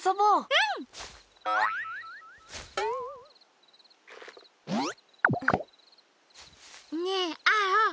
うん！ねえアオ！